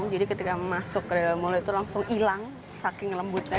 jadi ketika masuk ke dalam mulut itu langsung hilang saking lembutnya